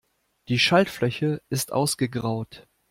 Die Schaltfläche ist ausgegraut.